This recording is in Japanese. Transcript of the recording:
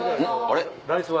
あれ？